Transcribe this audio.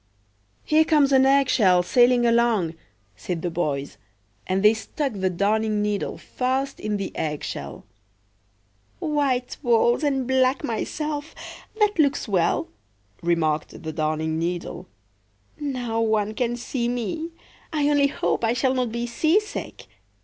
"Here comes an egg shell sailing along!" said the boys; and they stuck the Darning needle fast in the egg shell."White walls, and black myself! that looks well," remarked the Darning needle. "Now one can see me. I only hope I shall not be seasick!"